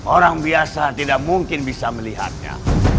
orang biasa tidak mungkin bisa melihatnya